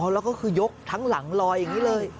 แล้วก็คือยกทั้งหลังลอยอย่างนี้เลย